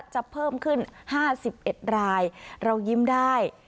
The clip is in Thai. เพิ่มขึ้น๕๑รายเรายิ้มได้